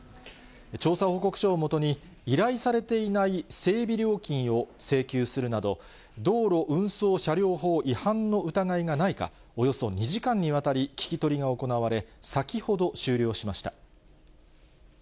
調査報告書を基に依頼されていない整備料金を請求するなど、道路運送車両法違反の疑いなどがないか、およそ２時間にわたり、聞き取りが行われ、先ほど終了しました。